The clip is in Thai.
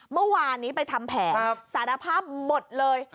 เมื่อวานนี้ไปทำแผนสารภาพหมดเลย